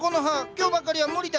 今日ばかりは無理だ。